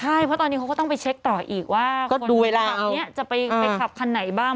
ใช่เพราะตอนนี้เขาก็ต้องไปเช็คต่ออีกว่าขับนี้จะไปขับคันไหนบ้าง